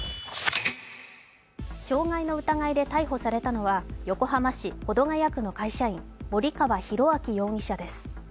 傷害の疑いで逮捕されたのは横浜市保土ケ谷区の会社員、森川浩昭容疑者です。